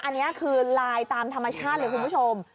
อันนี้คือลายตามธรรมชาติเลยคุณผู้ชม